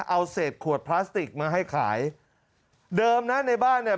เอาเศษขวดพลาสติกมาให้ขายเดิมนะในบ้านเนี่ย